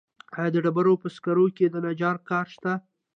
آیا د ډبرو په سکرو کې د نجار کار شته